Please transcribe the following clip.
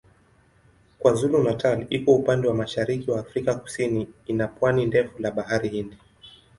KwaZulu-Natal iko upande wa mashariki wa Afrika Kusini ina pwani ndefu la Bahari Hindi.